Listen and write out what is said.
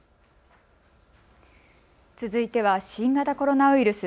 続いては新型コロナウイルス。